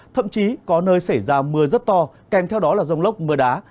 thậm chí có nơi xảy ra mưa rất to kèm theo đó là rông lốc mưa đá